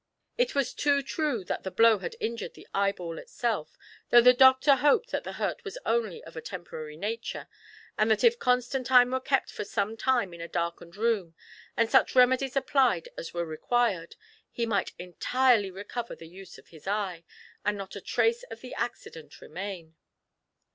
It was too true that the blow had injured the eyeball itself, though the doctor hoped that the hurt was only of a temporary nature, and that if Constantine were kept for some time in a dark ened room, and such remedies applied as were required, he might entirely recover the use of his eye, and not a trace of the accident remain.